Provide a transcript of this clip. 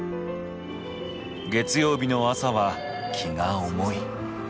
月曜日の朝は気が重い。